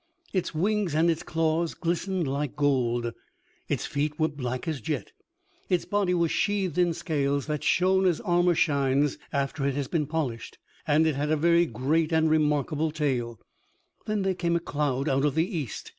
Its wings and its claws glistened like gold. Its feet were black as jet. Its body was sheathed in scales that shone as armor shines after it has been polished, and it had a very great and remarkable tail. Then there came a cloud out of the east.